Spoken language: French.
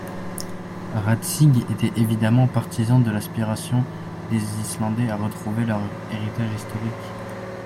Raadsig était, évidemment, partisan de l’aspiration des Islandais à retrouver leur héritage historique.